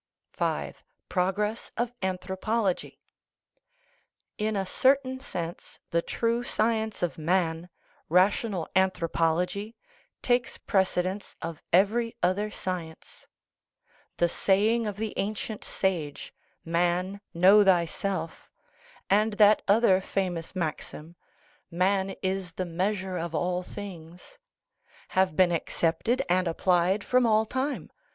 V. PROGRESS OF ANTHROPOLOGY In a certain sense, the true science of man, rational anthropology, takes precedence of every other science. The saying of the ancient sage, "Man, know thyself," and that other famous maxim, "Man is the measure of all things," have been accepted and applied from all time.